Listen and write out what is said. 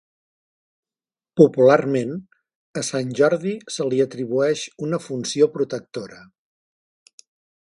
Popularment, a Sant Jordi se li atribueix una funció protectora.